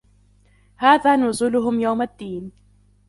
هذا نُزُلُهُم يَومَ الدّينِ